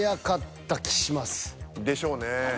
「でしょうね